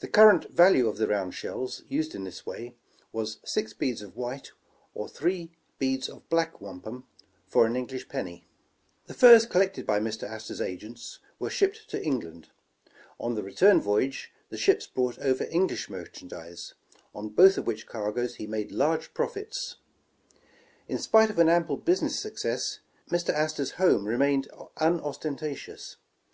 The current value of the round shells, used in this way, was six beads of white, or three heads of black wampum, for an English penny. The furs collected by Mr. Astor 's agents were shipped to England. On the return voyage the ships brought over English merchandise, on both of which cargoes he made large profits. In spite of an ample business success, Mr. Astor 's home remained unostentatious.